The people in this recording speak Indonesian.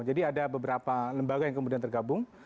jadi ada beberapa lembaga yang kemudian tergabung